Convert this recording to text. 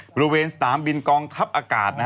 บริเวณสนามบินกองทัพอากาศ